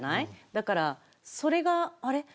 だから、それがあれ？